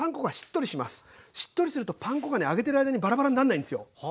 しっとりするとパン粉がね揚げてる間にバラバラになんないんすよ。